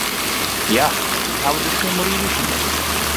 Ja, wy hawwe de Skimmelrider sjoen.